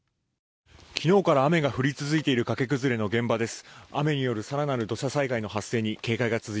昨日から雨が降り続いている崖崩れの現場です。